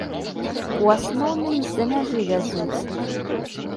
У асноўным з-за мяжы вязуць.